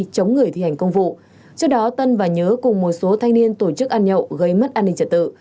chống người thi hành công vụ trước đó tân và nhớ cùng một số thanh niên tổ chức ăn nhậu gây mất an ninh trật tự